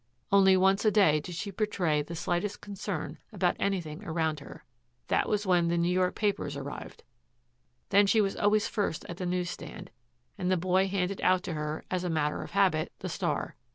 Only once a day did she betray the slightest concern about anything around her. That was when the New York papers arrived. Then she was always first at the news stand, and the boy handed out to her, as a matter of habit, the STAR.